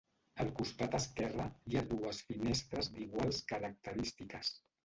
Al costat esquerre hi ha dues finestres d'iguals característiques.